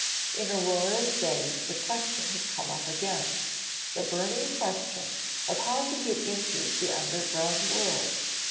In Aurore's day the question had come up again the burning question of how to get into the underground world.